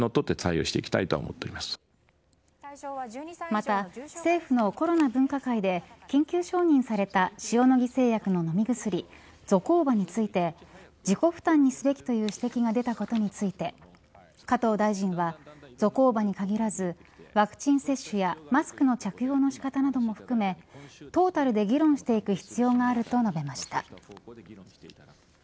また、政府のコロナ分科会で緊急承認された塩野義製薬の飲み薬、ゾコーバについて自己負担にすべきという指摘が出たことについて加藤大臣はゾコーバに限らずワクチン接種やマスクの着用の仕方なども含めトータルで議論していく必要があると述べました。